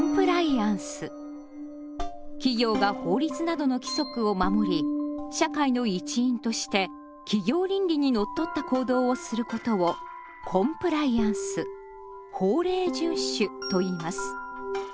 企業が法律などの規則を守り社会の一員として企業倫理に則った行動をすることを「コンプライアンス」といいます。